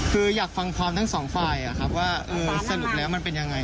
คืออยากฟังความทั้งสองฝ่ายว่าสรุปแล้วมันเป็นยังไง